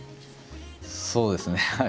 そうですねはい。